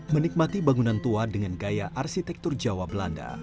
menikmati bangunan tua dengan gaya arsitektur jawa belanda